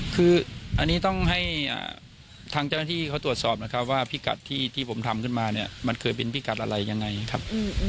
คืออันนี้ต้องให้ทางเจ้าหน้าที่เขาตรวจสอบนะครับว่าพิกัดที่ผมทำขึ้นมาเนี่ยมันเคยเป็นพิกัดอะไรยังไงครับ